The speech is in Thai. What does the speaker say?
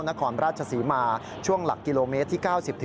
นครราชศรีมาช่วงหลักกิโลเมตรที่๙๐